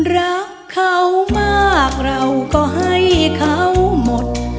รักเขามากเราก็ให้เขาหมด